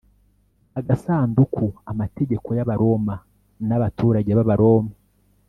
agasanduku amategeko y abaroma n abaturage b abaroma